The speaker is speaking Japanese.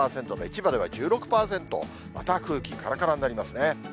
２０％、千葉では１６％、また空気からからになりますね。